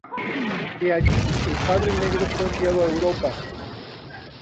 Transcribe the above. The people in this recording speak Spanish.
De allí, el Padre Negro fue enviado a Europa.